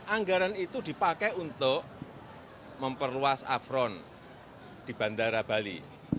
anggaran itu dipakai untuk memperluas afron di bandara bali